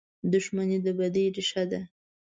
• دښمني د بدۍ ریښه ده.